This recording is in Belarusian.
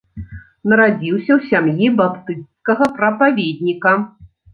Нарадзіўся ў сям'і баптысцкага прапаведніка.